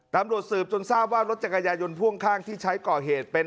ตำรวจสืบจนทราบว่ารถจักรยายนพ่วงข้างที่ใช้ก่อเหตุเป็น